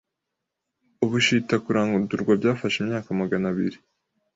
ubushita kurandurwa byafashe imyaka Magana abiri